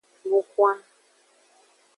Lun hwan.